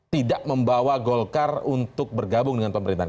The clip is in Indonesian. tidak membawa golkar untuk bergabung dengan pemerintahan